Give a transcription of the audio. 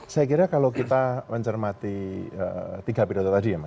saya kira kalau kita mencermati tiga pidato tadi ya mas